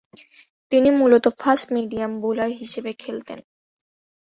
তিনি মূলতঃ fast medium bowler হিসেবে খেলতেন।